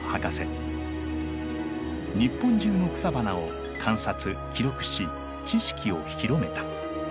日本中の草花を観察記録し知識を広めた。